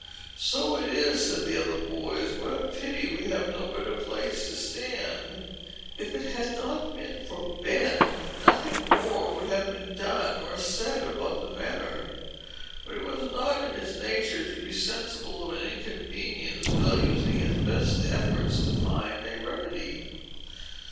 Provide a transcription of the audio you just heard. "So it is," said the other boys. "What a pity we have no better place to stand!" If it had not been for Ben, nothing more would have been done or said about the matter. But it was not in his nature to be sensible of an inconvenience, without using his best efforts to find a remedy.